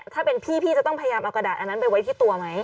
ถ้าเป็นพี่พี่จะต้องพยายามเอากระดาษอันนั้นไปไว้ที่ตัวไหม